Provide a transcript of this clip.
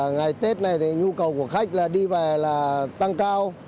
ngày tết này thì nhu cầu của khách là đi về là tăng cao